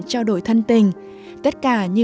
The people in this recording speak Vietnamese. trao đổi thân tình tất cả như